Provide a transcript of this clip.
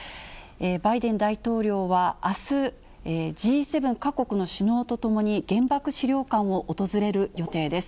バイデン大統領はあす、Ｇ７各国の首脳と共に、原爆資料館を訪れる予定です。